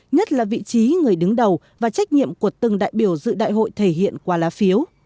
nhất là vị trí người đứng đầu và trách nhiệm của từng đại biểu dự đại hội thể hiện qua lá phiếu